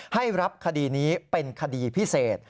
ให้รับคดีนี้เป็นคดีพิเศษ